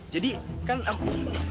jadi kan aku